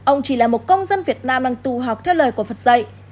ông chỉ là một công dân việt nam đang tu học theo lời của phật dạy